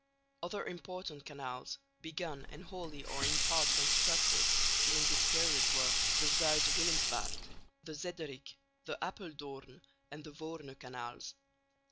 Other important canals, begun and wholly or in part constructed, during this period were the Zuid Willemsvaart, the Zederik, the Appeldoorn and the Voorne canals.